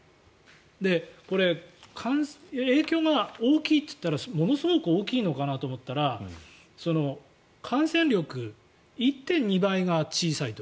これ、影響が大きいといったらものすごく大きいのかなと思ったら感染力、１．２倍が小さいと。